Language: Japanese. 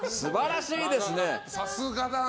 さすがだな。